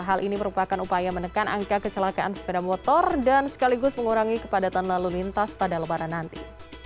hal ini merupakan upaya menekan angka kecelakaan sepeda motor dan sekaligus mengurangi kepadatan lalu lintas pada lebaran nanti